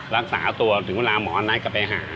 รักษาตัวถึงเวลาหมอนัดก็ไปหา